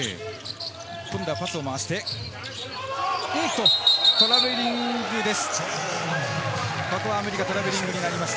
今度はパスを回して、トラベリングです。